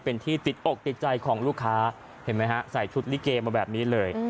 เป็นที่ติดอกติดใจของลูกค้าเห็นไหมฮะใส่ชุดลิเกมาแบบนี้เลย